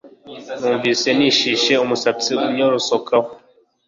numvise nishishe, umusatsi unyorosokaho